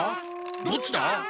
どっちだ？